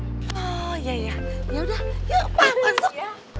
oh iya ya ya udah yuk pak masuk